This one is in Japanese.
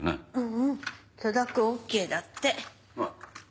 うん許諾ＯＫだって。